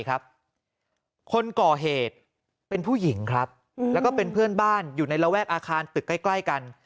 คนก่อเหตุเป็นผู้หญิงครับแล้วก็เป็นเพื่อนบ้านอยู่ในระแวกอาคารตึกใกล้กัน